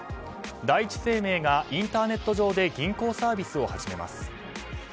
第一生命がインターネット上で銀行サービスを始めます。